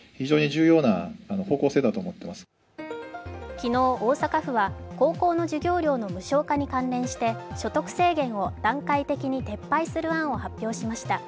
昨日、大阪府は高校の授業料の無償化に関連して所得制限を段階的に撤廃する案を発表しました。